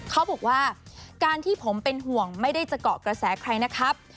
เขาบอกว่าการที่ผมเป็นห่วงไม่ได้จะเกาะกระแสใครนะครับ